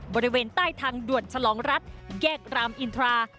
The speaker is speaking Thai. บริเวณใต้ทางด่วนฉลองรัฐแยกรามอินทรา